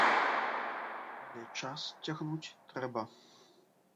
Але час цягнуць трэба.